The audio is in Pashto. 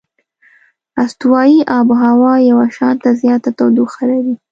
استوایي آب هوا یو شانته زیاته تودوخه لري.